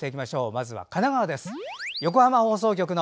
まずは神奈川です。